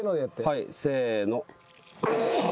はいせの。